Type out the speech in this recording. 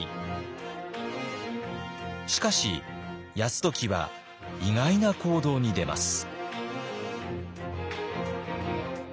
しかし泰時は意外な行動に出ます。